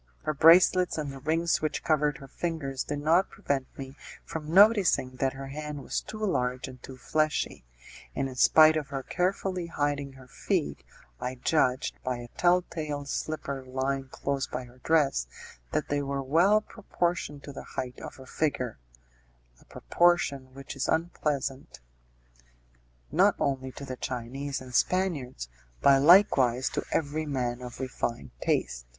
Her bracelets and the rings which covered her fingers did not prevent me from noticing that her hand was too large and too fleshy, and in spite of her carefully hiding her feet, I judged, by a telltale slipper lying close by her dress, that they were well proportioned to the height of her figure a proportion which is unpleasant not only to the Chinese and Spaniards, but likewise to every man of refined taste.